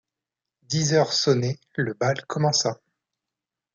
Dix heures sonnaient, le bal commença.